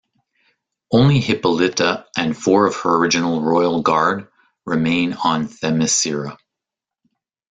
Only Hippolyta and four of her original Royal Guard remain on Themyscira.